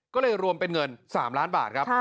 ก็เลยรวมเป็นเงิน๓ล้านบาทครับ